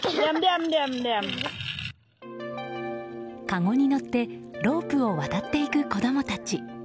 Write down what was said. かごに乗ってロープを渡っていく子供たち。